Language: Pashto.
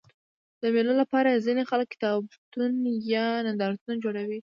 د مېلو له پاره ځيني خلک کتابتونونه یا نندارتونونه جوړوي.